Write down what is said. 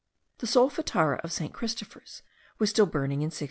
The Solfatara of St. Christopher's was still burning in 1692.